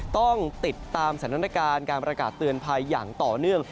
ต้องติดตามสถานการณ์การประกาศเตือนภัยอย่างต่อเนื่อง